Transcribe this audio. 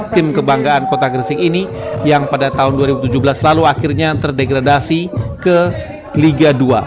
tim kebanggaan kota gresik ini yang pada tahun dua ribu tujuh belas lalu akhirnya terdegradasi ke liga dua